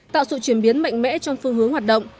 tạo sự chuyển biến mạnh mẽ trong phương hướng hoạt động